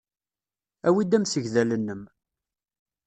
Awi-d amsegdal-nnem.